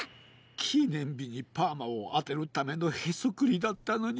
きねんびにパーマをあてるためのへそくりだったのに。